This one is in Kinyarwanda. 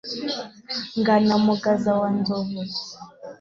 ngana mugaza wa nzovu